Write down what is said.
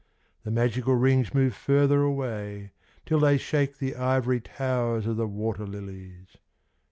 Tin: magical rings move further av. Till they shake the ivory towers of the water lilies.